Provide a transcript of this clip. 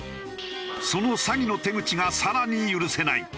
その詐欺の手口が更に許せない。